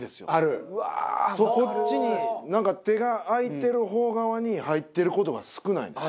こっちになんか手が空いてる方側に入ってる事が少ないんです。